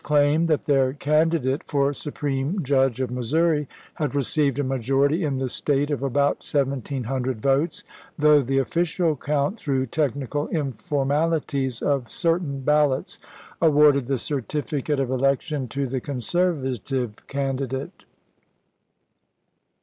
claimed that their candidate for Supreme Judge of Missouri had received a majority in the State of about seventeen hundred votes, though the official count, through technical informalities of certain ballots, awarded the certificate of election to the Conservative candidate.